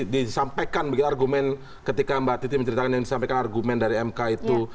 disampaikan begitu argumen ketika mbak titi menceritakan yang disampaikan argumen dari mk itu